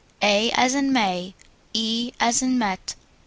| A as in May. | E as in Met.